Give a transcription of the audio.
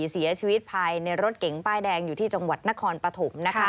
เสียชีวิตภายในรถเก๋งป้ายแดงอยู่ที่จังหวัดนครปฐม